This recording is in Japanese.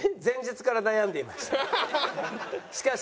しかし。